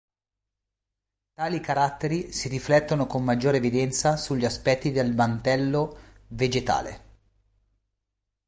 Tali caratteri si riflettono con maggiore evidenza sugli aspetti del mantello vegetale.